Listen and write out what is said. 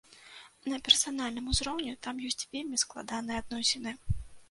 На персанальным узроўні там ёсць вельмі складаныя адносіны.